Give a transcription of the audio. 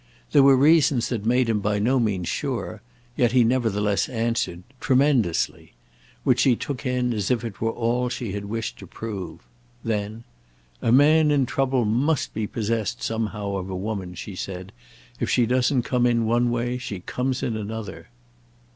There were reasons that made him by no means sure, yet he nevertheless answered "Tremendously"; which she took in as if it were all she had wished to prove. Then, "A man in trouble must be possessed somehow of a woman," she said; "if she doesn't come in one way she comes in another."